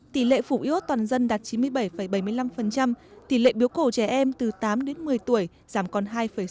tỷ lệ phủ yếu toàn dân đạt chín mươi bảy bảy mươi năm tỷ lệ biếu cổ trẻ em từ tám đến một mươi tuổi giảm còn hai sáu mươi